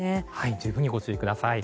十分にご注意ください。